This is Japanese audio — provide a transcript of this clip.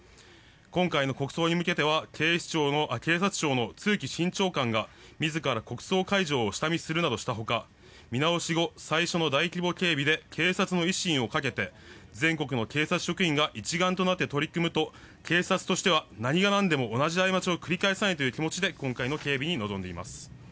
今回の国葬に向けては警察庁の露木新長官が自ら国葬会場を視察するなどしたほか見直し後最初の大規模警備で警察の威信をかけて全国の警察職員が一丸となって取り組むと警察としてはなにがなんでも同じ過ちを繰り返さないという気持ちで今回の警備に臨んでいます。